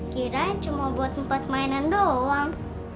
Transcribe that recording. kirain cuma buat tempat mainan doang